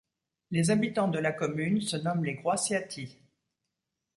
Les habitants de la commune se nomment les Groissiatis.